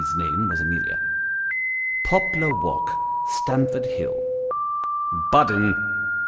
's name was Amelia), Poplar Walk, Stamford Hill." " Budden